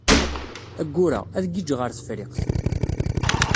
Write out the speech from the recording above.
Ayyur-a, ad gijjeɣ ɣer Tefriqt.